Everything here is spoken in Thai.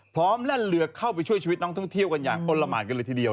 แล่นเรือเข้าไปช่วยชีวิตน้องท่องเที่ยวกันอย่างอ้นละหมานกันเลยทีเดียว